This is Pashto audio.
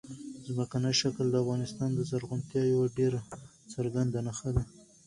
ځمکنی شکل د افغانستان د زرغونتیا یوه ډېره څرګنده نښه ده.